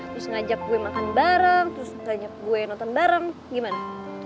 terus ngajak gue makan bareng terus ngajak gue nonton bareng gimana